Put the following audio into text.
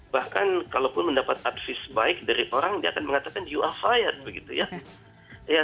bahkan kalau pun mendapatkan advises baik dari orang dia akan mengatakan you are fired begitu ya